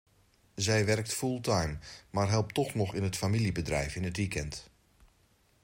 Zij werkt fulltime, maar helpt toch nog in het familiebedrijf in het weekend.